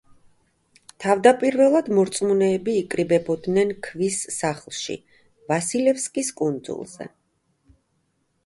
თავდაპირველად მორწმუნეები იკრიბებოდნენ ქვის სახლში ვასილევსკის კუნძულზე.